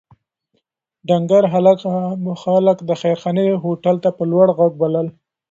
ډنکر هلک خلک د خیرخانې هوټل ته په لوړ غږ بلل.